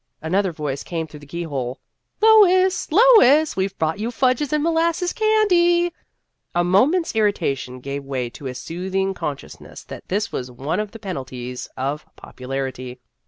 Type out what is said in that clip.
Another voice came through the keyhole: " Lois, Lois, we Ve brought you fudges and molasses candy." A mo ment's irritation gave way to a soothing consciousness that this was one of the penalties of popularity.